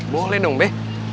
boleh dong be